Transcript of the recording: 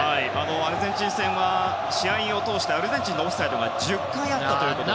アルゼンチン戦は試合を通してアルゼンチンのオフサイドが１０回あったということで。